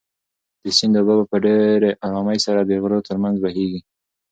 د سیند اوبه په ډېرې ارامۍ سره د غرو تر منځ بهېږي.